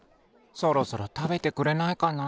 そろそろたべてくれないかな。